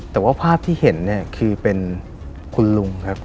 แต่ว่าภาพที่เห็นเนี่ยคือเป็นคุณลุงครับ